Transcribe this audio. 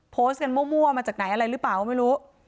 โพสต์กันมั่วมาจากไหนอะไรหรือเปล่าไม่รู้